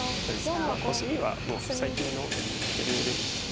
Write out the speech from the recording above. コスミは最近の主流です。